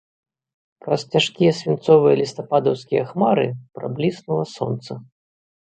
Праз цяжкія свінцовыя лістападаўскія хмары прабліснула сонца.